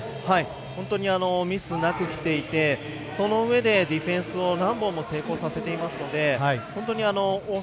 本当にミスなくきていてそのうえでディフェンスを何本も成功させています。